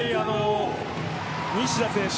西田選手